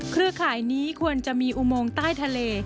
เครือข่ายนี้ควรจะมีอุโมงใต้ทะเล